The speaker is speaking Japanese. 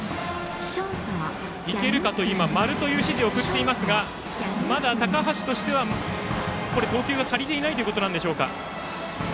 丸というサインを送っていますがまだ高橋としては投球が足りていないということでしょうか？